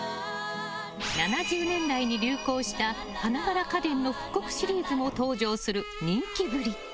７０年代に流行した、花柄家電の復刻シリーズも登場する人気ぶり。